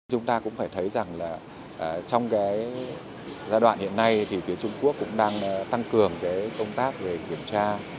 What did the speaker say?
chúng ta cũng phải thấy rằng là trong cái giai đoạn hiện nay thì phía trung quốc cũng đang tăng cường cái công tác về kiểm tra